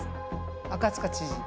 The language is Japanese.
赤塚知事